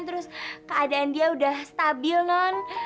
terus keadaan dia udah stabil non